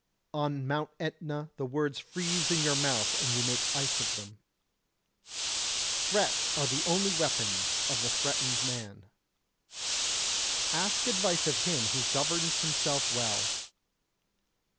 On Mount Etna the words freeze in your mouth and you make ice of them. Threats are the only weapons of the threatened man. Ask advice of him who governs himself well.